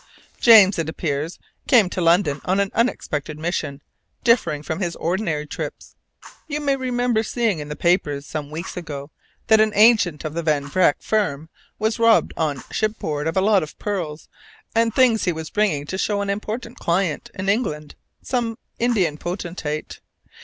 James, it appears, came to London on an unexpected mission, differing from his ordinary trips. You may remember seeing in the papers some weeks ago that an agent of the Van Vreck firm was robbed on shipboard of a lot of pearls and things he was bringing to show an important client in England some Indian potentate.